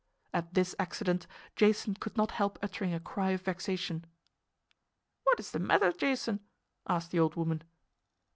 At this accident Jason could not help uttering a cry of vexation. "What is the matter, Jason?" asked the old woman.